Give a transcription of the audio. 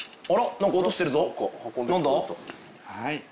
何か音してるぞ。